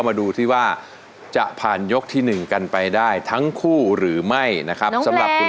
ไม่รู้ว่าก็แบบน้อยสังเมตตาหิน